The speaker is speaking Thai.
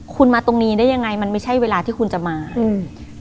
คุณมาตรงนี้ได้ยังไงมันไม่ใช่เวลาที่คุณจะมาอืม